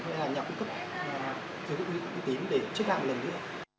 hay là nhà cung cấp giữ dịch lữ tiến để trích hạng lần nữa